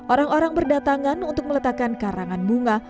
orang orang berdatangan untuk meletakkan karangan bunga